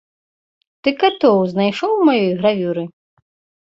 Ты катоў знайшоў у маёй гравюры?